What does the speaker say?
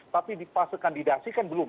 tapi di fase kandidasi kan belum